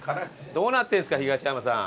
どうなってるんですか東山さん。